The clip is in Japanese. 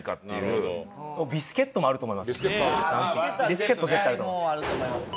ビスケットは絶対あると思います。